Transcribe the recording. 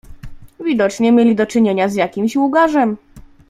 "Widocznie mieli do czynienia z jakimś łgarzem."